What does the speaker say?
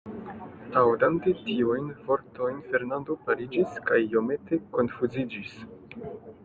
Aŭdante tiujn vortojn, Fernando paliĝis kaj iomete konfuziĝis.